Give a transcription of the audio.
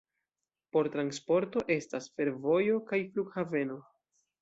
Por transporto estas fervojo kaj flughaveno.